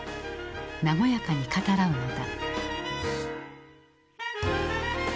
和やかに語らうのだ。